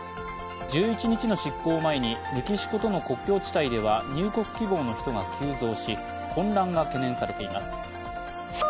１１日の失効を前にメキシコとの国境地帯では入国希望の人が急増し、混乱が懸念されています。